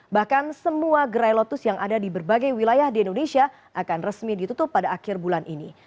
bahkan semua gerai lotus yang ada di berbagai wilayah di indonesia akan resmi ditutup pada akhir bulan ini